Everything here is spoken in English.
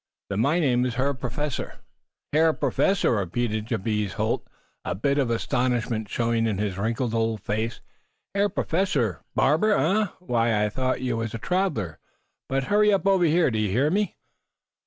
"Then my name is Herr Professor " "Hair professor?" repeated Jabez Holt, a bit of astonishment showing in his wrinkled old face. "Hair professor? Barber, eh? Why, I thought you was a traveler. But hurry up over here do you hear me?"